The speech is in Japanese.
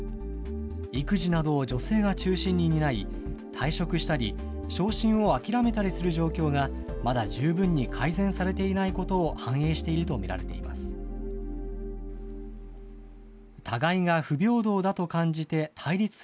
育児などを女性が中心に担い、退職したり昇進を諦めたりする状況が、まだ十分に改善されていないことを反映していると見られています。